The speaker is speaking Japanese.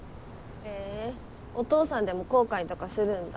へぇお父さんでも後悔とかするんだ。